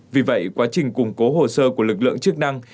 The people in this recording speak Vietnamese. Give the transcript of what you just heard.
vì vậy quá trình củng cố hồ sơ của lực lượng chức năng